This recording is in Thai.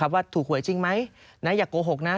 ว่าถูกหวยจริงไหมอย่าโกหกนะ